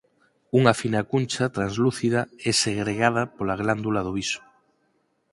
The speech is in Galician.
Unha fina cuncha translúcida é segregada pola glándula do biso.